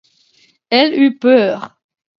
Elle eut peur.